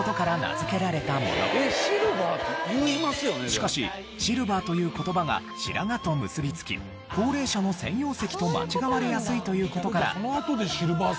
しかし「シルバー」という言葉が白髪と結びつき高齢者の専用席と間違われやすいという事から。